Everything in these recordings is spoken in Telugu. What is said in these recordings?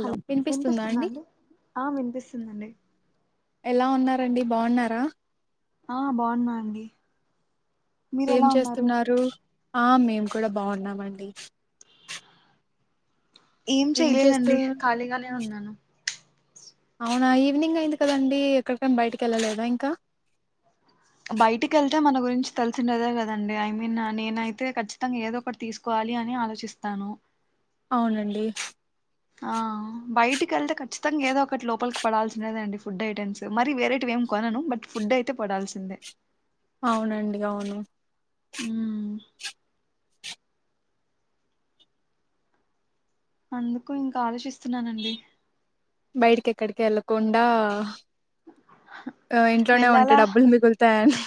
హలో వినిపిస్తుందా అండి, ఆ వినిపిస్తుందండి ఎలా ఉన్నారండి బాగున్నారా, ఆ బాగున్నా అండి మీరు ఏం ఎలా ఉన్నారు చేస్తున్నారు ఆ మేము కూడా బాగున్నామండి ఏం చెయలేదండి ఖాళీ గానే ఉన్నాను అవునా ఈవినింగ్ అయింది కదండి ఎక్కడికైనా బయటికి ఎల్లలేదా ఇంకా బయటికి వెళ్తే మన గురించి తెలిసినదే కదండి, ఐ మీన్ నేనైతే ఖచ్చితంగా ఏదో ఒకటి తీసుకోవాలి అని ఆలోచిస్తాను. అవునండి ఆ బయటికి వెళ్తే ఖచ్చితంగా ఏదో ఒకటి లోపలికి పడాల్సినదే అండి ఫుడ్ ఐటెమ్స్ మరి వేరేటివేం కొనను బట్ ఫుడ్ అయితే పడాల్సిందే అవునండి అవును ఉమ్ అందుకు ఇంకా ఆలోచిస్తున్నానండి బయటికెక్కడికి ఏళ్లకుండా ఆ ఇంట్లోనే ఉంటె వెళ్ళాలా డబ్బులు మిగులుతాయని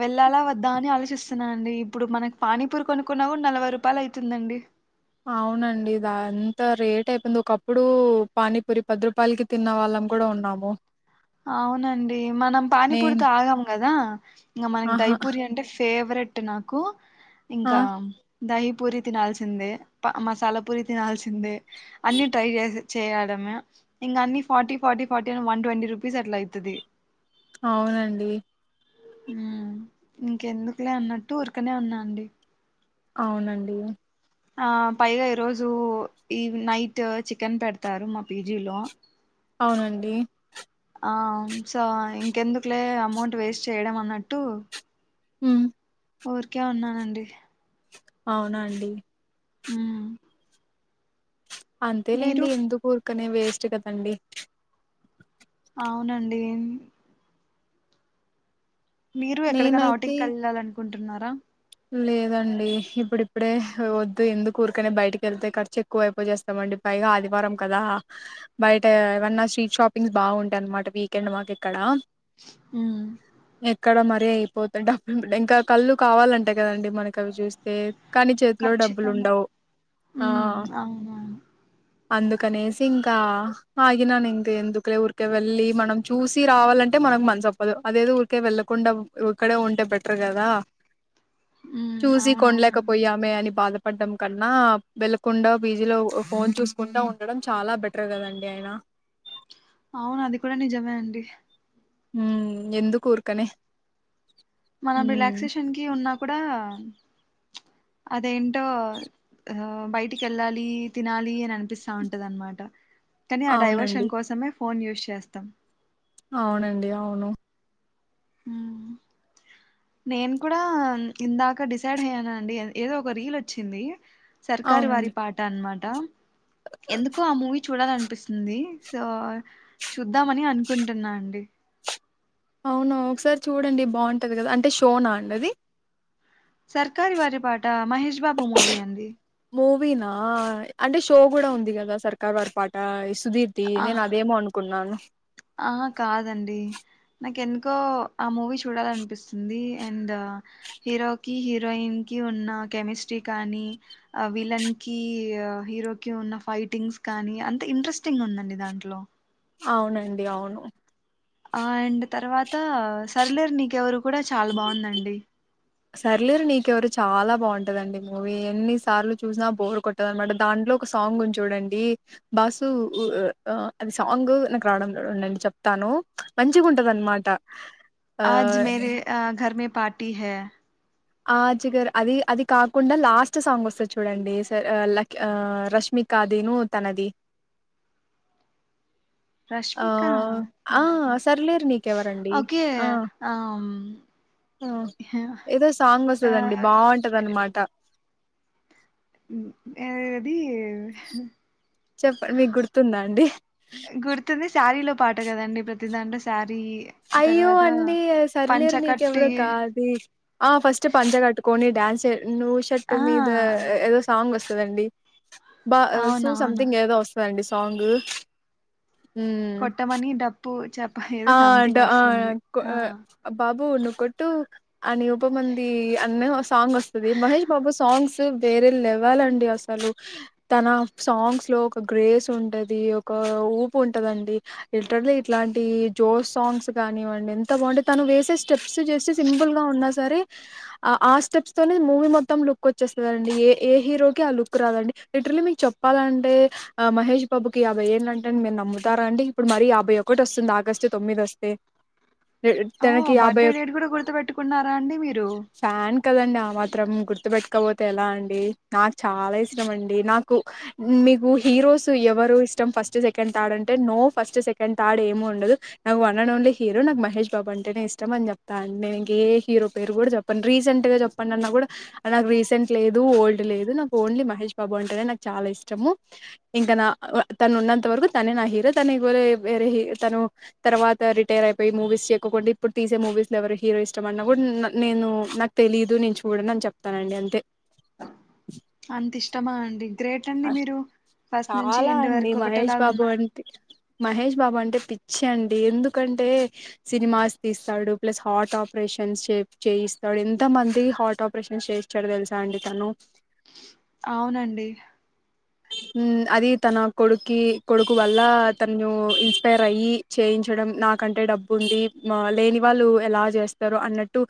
వెళ్ళాలా వద్దా అని ఆలోచిస్తున్నా అండి ఇప్పుడు మనకి పానీపూరీ కొనుక్కున్న కూడా నలభై రూపాయలు అయితుందండి అవునండి ఇది అంత రేట్ అయిపోంది ఒకప్పుడు పానీపూరి పది రూపాయలకి తిన్నవాళ్ళం కూడా ఉన్నాము అవునండి మనం నేను పానీపూరీతో ఆగాం గదా ఇంకా మనకి ఆహా దైపూరి అంటే ఫేవరెట్ అట్రే నాకు ఆ ఇంకా దహి పూరి తినాల్సిందే మసాలా పూరి తినాల్సిందే అన్ని ట్రై చే చేయడమే ఇంకా అన్ని ఫార్టీ ఫార్టీ ఫార్టీ అని వన్ ట్వంటీ రూపీ స్ట్ల్ అవుతుది అవునండి ఇంకెందుకులే అన్నట్టు ఉఊరికనే ఉన్నా అండి అవునండి ఆ పైగా ఈరోజు ఈ నైట్ చికెన్ పెడతారు మా పీజీలో అవునండి సో ఇంకెందుకులే అమౌంట్ వేస్ట్ చేయడం అన్నట్టు హ ఊరికే ఉన్నానండి అవునా అండి హ అంతేలేండి ఎందుర్ పక్కనే వేస్ట్ కదండి అవునండి మీరు ఎక్కడికైనా నేనైతే ఆవటింగ్కి వెళ్ళాలంటే కొంటన్నారా లేదండి ఇప్పుడిప్పుడే వద్దు ఎందుకు ఊరుకనే బయటకి వెళ్తే ఖర్చు ఎక్కువ అైపో చేస్తామండి పైగా ఆదివారం కదా బయట ఏమన్నా స్ట్రీట్ షాపింగ్స్ బాగుంటాయి అన్నమాట వీకెండ్ మాకు ఇక్కడ ఆ ఇక్కడ మరీ అయిపోతతుంది డబ్బులు ఇంకా కళ్ళు కావాలంటే అంతే కదండి మనకు అవి చూస్తే కానీ చేతిలో డబ్బులు ఖచ్చితంగా ఉండవు ఆ ఉ అవునాను అందుకనేసి ఇంకా ఆగినను ఇంక ఎందుకలే ఊరికే వెళ్ళి మనం చూసి రావాలంటే మనకు మంచిసు ఒప్పదు అదేది ఊరికే వెళ్ళకుండా ఇక్కడే ఉంటే బెటర్ కదా మ్మ్ చూసి అవునవునండి కొండలేకపోయామే అని బాధ పడ్డం కన్నా వెళ్లకుండా పీజీలో ఫోన్ చూసుకుంటడా ఉండడం చాలా బెటర్ కదండి ఆయన అవును అది కూడా నిజమే అండి ఉ ఎందు కూర్కనే మనం రిలాక్సేషన్ కి ఉన్నా కూడా అదేంటో ఆ బయటికి వెళ్ళాలి తినాలి అని అనిపిస్తా ఉంటది అనమాట కానీ ఆ అవునండి డైవర్షన్ కోసమే ఫోన్ యూస్ర్ చేస్తాం అవునండి అవును నేను కూడా ఇందాక డిసైడ్ అయ్యాను అండి ఏదో ఒక రీల్ వచ్చింది సర్క వారి అవునండి పాఠ అన్నమాట ఎందుకు ఆ మూవీ చూడాలనిపిస్తుంది సో చూద్దామని అనుకుంటున్నా అండి అవునా ఒకసారి చూడండి బాగుంటుంది కదా అంటే షోనా అండి అది సర్కారి వారి పాట మహేష్ బాబు మూవీ అండి [unintelligible] నా అంటే షో కూడా ఉంది కదా సర్కార్ వారి పాట ఇ సుదీర్తి నేను అదేమో అనుకున్నాను ఆ కాదండి నాకు ఎందుకో ఆ మూవీ చూడాలనిపిస్తుంది అండ్ హీరోకీ హీరోయిన్కి ఉన్న కెమిస్ట్రీ కానీ, విలన్ కి హీరో కీ ఉన్న ఫైటింగ్స్ కానీ, అంతే ఇంట్రెస్టింగ్ ఉందండి దాంట్లో అవునండి అవును ఆ అండ్ తర్వాత సర్లర్ నీకెవరు కూడా చాలా బాగుందండి సర్లేరు నీకెవరు చాలా బాగుంటదండి మూవీ, ఎన్ని సార్లు చూసినా బోర్ కొట్టద అనమాట దాంట్లో, ఒక సాంగ్ చూడండి బాసు ఉ అ అది సాంగ్ నాకు రావడం ఉండండి చెప్తాను, మంచిగా ఉంటది అనమాట ఆ అజ్ మేరె అ గర్ మే పా టి హై ఆ చిగర్ అది అది కాకుండా లాస్ట్ సాంగ్ వస్తాది చూడండి స లక్ అ రష్మిక దీను తనది ఆ రష్మిక ఆ తనగా సర్లేరు నీకెవరండి ఓకే ఆ ఆమ్, ఆ ఏదో సాంగ్ ఆ ఆ వస్తుందండి బాగుంటది అన్నమాట ఏ అది చెప్పండి మీకు గుర్తుందా అండి గుర్తుంది శారీలో పాట కదండి ప్రతి దాంట్లో శ అయ్యో అండి అది సరిలేరు పంచకట్టి నీకెవరు కాది ఆ ఫస్ట్ పంంచగాటు కొన్ని డాన్స్ర్ నుూ షట్టు ఆ మీద ఏదో సాంగ్ వస్ దండి బా సూ అవునవును సంథింగ్ ఏదో వస్తుందండి తాంగ్ కొట్టమనీ డప్పు చెప్ప ఏదో ఆంట సంథింగ్ ఆ వస్తుంది ఆ పా బాబు ఒకట్టు అని ఉపమంది అన్న సాంగ్ వస్తుది, మహేష్ బాబు సాంగ్స్ వేరే లెవాలండి అసలు, తన సాంగ్స్ లో ఒక గ్రేస్ ఉంటది, ఒక ఊపు ఉంటదండి ఇంటర్లో ఇట్లాంటి జోస్ సాంగ్స్ కానివ్వండి ఎంత బాంటే తను వేసే స్టెప్స్ చేసి సింపుల్ గా ఉన్నా సరే ఆ ఆ స్టెప్స్ తోనే మూవీ మొత్తం లుక్ వచ్చేస్తుాండి, ఏ ఏ హీరోకి ఆ లుక్ రాదండి లిటరలీ మీకు చెప్పాలంటే మహేష్ బాబుకి యాభై ఏళ్ళ అంటే మీరు నమ్ముతారా అండి, ఇప్పుడు మరి యాభై ఒకటి వస్తుంది ఆగస్టు. తొమ్మిది వస్తే ఓ తనకి యాభై బర్త్డే డేట్ కూడా గుర్తు పెట్టుకున్నారా అండి మీరు ఫ్యాన్ కదండి ఆ మాత్రం గుర్తు పెట్టుకపోతే ఎలా అండి నాకు చాలా ఇష్టం అండి నాకు మీకు హీరోస్ ఎవరు ఇష్టం ఫస్ట్ ఫస్ట్ సెకండ్ థర్డ్ అంటే నో ఫస్ట్ సెకండ్ థర్డ్ ఏమీ ఉండదు నాకు వన్ అండ్ ఓన్లీ హీరో నాకు మహేష్ బాబు అంటేనే ఇష్టం అని చెప్తా అ నేను ఇంక ఏ హీరో పేరు కూడా చెప్పను రీసెంట్ గా చెప్పండి అన్నా, కూడా నాకు రీసెంట్ లేదు ఓల్డ్ లేదు నాకు ఓన్లీ మహేష్ బాబు అంటేనే నాకు చాలా ఇష్టము, ఇంకా నా తను ఉన్నంత వరకు తనే నా హీరో తనువర వేరే తను తర్వాత రిటైర్ అయిపోయి మూవీస్ చెక్కకుండా ఇప్పుడు తీసే మూవీస్ లో ఎవరు హీరో ఇష్టం అన్నా కూడా నేను నాకు తెలిదు నేను చూడ అని చెప్తానండి అంతే అంత ఇష్టమా అండి గ్రేట్ అండి మీరు ఫస్ట్ నుంచి చాలా ఎండ్ అండి వరకు మహేష్ ఒకటేలాగా బాబు ఉన్నారు అంటే మహేష్ బాబు అంటే పిచ్చి అండి ఎందుకంటే సినిమాస్ తీస్తాడు ప్లస్ హార్ట్ ఆపరేషన్స్ చేయిస్తాడు ఎంతమంది హార్ట్ ఆపరేషన్స్ చేయిస్తాడు తెలుసా అండి తను అవునండి మ్ అది తన కొడుక్కి కొడుకు వల్ల తను ఇన్స్పైర్ అయ్యి చేయించడం నాకంటే డబ్బుంది లేని వాళ్ళు ఎలా చేస్తారు అన్నట్టు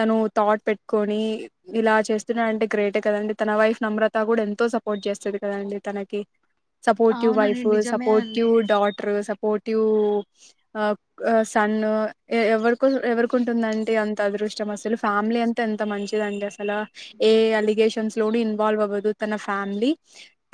తను థాట్ పెట్టుకొని ఇలా చేస్తున్నాడంటే గ్రేటే కదండి తన వైఫ్ నమ్రత కూడా ఎంతో సపోర్ట్ చేస్తది కదండి తనకి సపోర్టివ్ అవునండి వైఫ్ నిజమే అండి సపోర్టివ్ డాటర్ స పోటివ్ సన్ ఎవరి ఎవరికుంటుందంటి అంత అదృష్టం అసలు ఫ్యామిలీ అంతా ఎంత మంచిదండి అస అలా ఏ అలిగేషన్స్ లోని ఇన్వాల్వ్ అవ్వదు తన ఫ్యామిలీ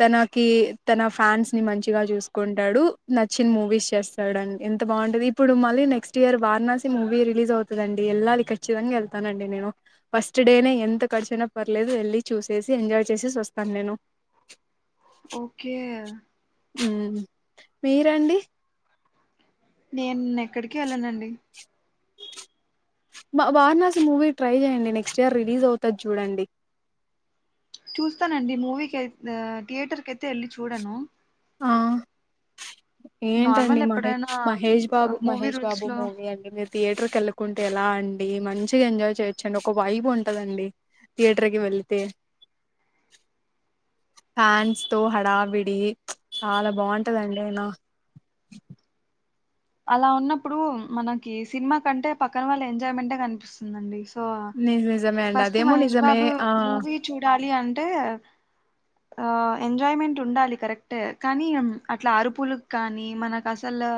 తనకి తన ఫ్యాన్స్ ని మంచిగా చూసుకుంటాడు నచ్చిన మూవీస్ చేస్తాడు అని ఎంత బాగుంటుంది ఇప్పుడు మళ్ళీ next year Varanasi movie release అవుతదండి వెళ్ళాలి ఖచ్చితంగా వెళ్తానండి నేను ఫస్ట్ డేనే ఎంత ఖర్చుయినా పర్లేదు వెళ్ళి చూసేసి ఎంజాయ్ చేసేసి వస్తాను నేను ఓకే మ్మ్ మీరండి నేను ఎక్కడికి వెళ్ళనండి వా వారణాసి మూవీ ట్రై చేయండి నెక్స్ట్ ఇయర్ రిలీజ్ అవుతాది చూడండి చూస్తానండి మూవీకై థియేటర్ కయితే ఎళ్ళి చూడను ఆ ఏంటండి నార్మల్ ఎప్పుడైనా మహేష్ మహేష్ బాబు మూవీ మహేష్ రూల్స్ బాబు లో మూవీ అండి మీరు థియేటర్కెళ్ళకుంటే ఎలా అం మంచిగా ఎంజాయ్ చేయొచ్చండి ఒక వైబొ ఉంటదండి థియేటర్ కి వెళితే ఫ్యాన్స్ తో హడావిడి చాలా బావుంటందండి అయినా అలా ఉన్నప్పుడు మనకి సినిమా కంటే పక్కన వాళ్ళ ఎంజాయ్మెంటే కనిపిస్తుందండి [unintelligible] ని నిజమే అండి ఫస్ట్ అదేమో మహేష్ నిజమే బాబు ఆ మూవీ చూడాలి అన్ టే ఆ ఎంజాయ్మెంట్ ఉండాలి కరెక్టే కానీ అట్లా అరుపులు క్కానీ మనక్ అసలు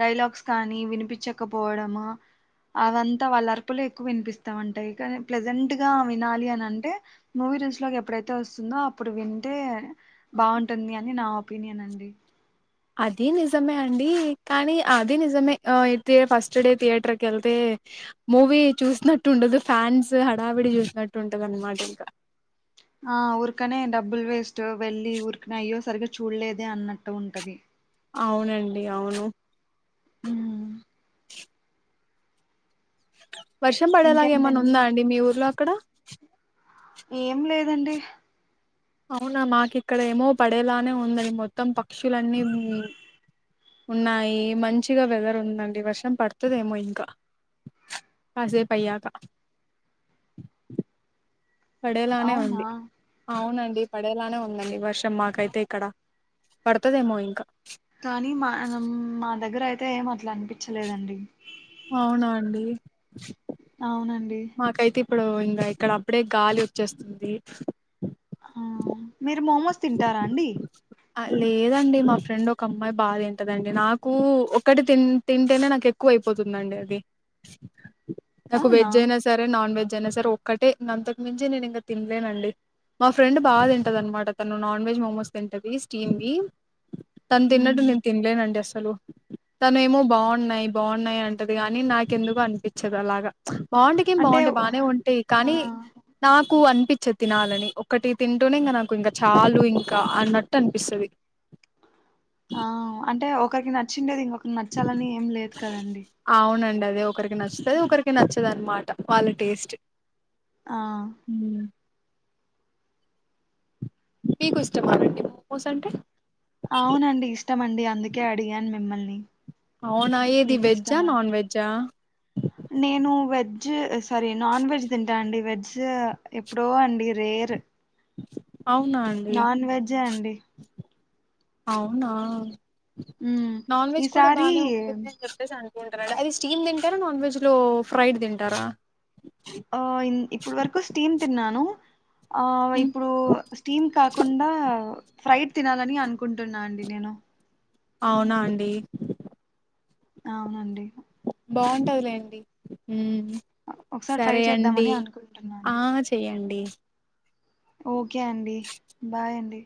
డైలాగ్స్ కానీ వినిపిచ్చకపోవడము అవంతా వాళ్ళరుపులు ఎక్కు వినిపిస్తామంటాయిమ కానీ ప్లెజెంట్గా వినాలి అని అంటే మూవీ రూల్స్లోకి ఎప్పుడైతే వస్తుందో అప్పుడు వింటే బావుంటుంది అని నా పీనియన్ అండి అది నిజమే అండి కానీ అది నిజమే అయితే ఫస్ట్ డే థియేటర్కెళ్తే మూవీ చూసినట్టు ఉండదు ఫ్యాన్స్ హడావిడి చూసినట్టు ఉంటది అన్నమాట ఇంక ఆ ఊర్కనే డబ్బులు వేస్ట్ వెళ్ళి ఊరికనే అయ్యో సరిగా చూడలేదే అన్నట్టు ఉంటది అవునండి అవును మ్మ్ వర్షం పడేలాగ ఏమన్నా ఇంకేంటండి ఉందా అండి మీ ఊర్లో అక్కడ ఏం లేదండి అవునా మాకిక్కడ ఏమో పడేలానే ఉందని మొత్తం పక్షులన్నీ ఉం వున్నాయి మంచిగా వెదర్ ఉందండి వర్షం పడుతదేమో ఇంక కాసేపయ్యాక పడేలానే అవునా ఉంంది అవునం ది పడేలానే ఉందండి వర్షం మాకైతే ఇక్కడ పడుతదేమో ఇంక కానీ మా మా దగ్గరయితే ఏం అట్లా అనిపిచ్చలేదండి అవునా అండి అవునండి మాకైతే ఇప్పుడు ఇంక ఇక్కడ అప్పుడే గాలి వచ్చేస్తుంది ఆ మీరు మోమోస్ తింటారా అండి అ లేదండి మా ఫ్రెండ్ ఒక అమ్మాయి బా తింటదండి నాకు ఒకటి తింటేనే నాకెక్కువ అయిపోతుందండి అది నాకు అవునా వెజ్ అయినా సరే నాన్ వెజ్ జనాసరే ఒక్కటే ఇ అంతకు మించి నేను ఇంక తినలేనండి మా ఫ్రెండ్ బా తింటదనమాట తను నాన్ వెజ్ మోమోస్ తింటది స్టీమ్ వి తను తిన్నట్టు ఉమ్ నేను తినలేనండి అస్ సలు తను ఏమో బాగున్నాయి బాగున్నాయి అంటది గాని నాకెందుకొ అనిపించదు అలాగ బాగుండెకేం అంటే బాగుంటయి బానె ఉంటయి ఆ కానీ నాకు అం పిచ్చద్ తినాలని ఒకటి తింటూనె ఇంక నాకు ఇంక చాలు ఇంక అన్నట్టు అనిపిస్తది ఆ అంటే ఒకరికి నచ్చిండేది ఇంకొ నచ్చాలని ఏం లేదు కదండి అవునండి అదే ఒకరికి నచ్చుతది ఒకరికి నచ్చదు అన్నమాట వాళ్ళ టేస్ట్ ఆ హ్మ్. మీకు ఇష్టంమా నండి మోమోస్ అంటె అవునండి ఇష్టమండి అందుకే అడిగాను మిమ్మల్ని అవునా ఏది మీకు వెజ్జా ఇష్టమా నాన్ వెజ్జా నేను వెజ్ సారీ నాన్ వెజ్ తింటా అండి వెజ్ ఎప్పుడో అండి రేరు అవునా అండి నాన్ వెజ్జే అండి అవునా ఉమ్ నాన్ వెజ్ కూడా ఈసారి బానే ఉంటుంది అని చెప్పేసాను ఉంటదండి అది స్టీమ్ తింటారా నాన్ వెజ్ లో ఫ్రైడ్ తింటారా ఆ ఇప్పుడు వరకు స్టీమ్ తిన్నాను ఆ హ్మ్. ఇప్పుడు స్టీమ్ కాకుండా ఫ్రైడ్ తినాలని అనుకుంటున్నా అండి నెను అవునా అండి అవునండి బాగుంటదిలేండి ఒకసారి ట్రై సరే అండి చేద్దామని అనుకుంటున్నా ఆ చెయండి ఓకె అండి బాయ్ అండి